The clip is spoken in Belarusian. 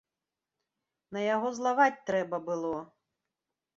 На яго злаваць трэба было!